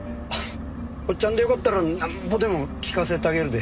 おっちゃんでよかったらなんぼでも聞かせてあげるで。